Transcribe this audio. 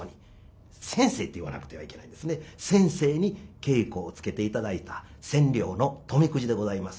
先生に稽古をつけて頂いた「千両の富くじ」でございます。